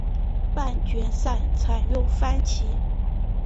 半决赛采用三番棋。